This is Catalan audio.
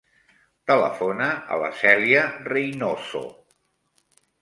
Telefona a la Cèlia Reynoso.